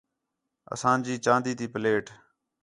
اساں جی چاندی تی پلیٹ